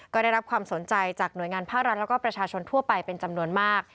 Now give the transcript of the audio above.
ก็ได้รับความสนใจจากหน่วยงานภาครัฐแล้วก็ประชาชนทั่วไปเป็นจำนวนมาก